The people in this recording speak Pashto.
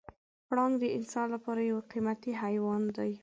پړانګ د انسان لپاره یو قیمتي حیوان دی.